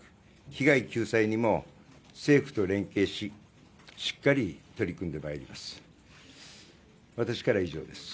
被害救済にも政府と連携ししっかり取り組んでまいります。